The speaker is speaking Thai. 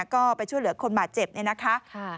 ก็ไปช่วยเหลือคนบาดเจ็บเนี่ยนะคะ